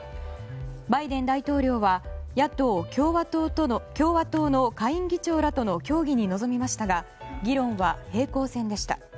バイデン大統領は野党・共和党の下院議長らとの協議に臨みましたが議論は平行線でした。